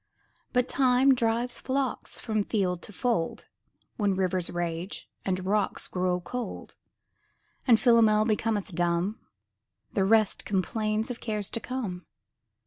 But Time drives flocks from field to fold, When rivers rage and rocks grow cold ; And Philomel becometh dumb ; The rest complains of cares to come.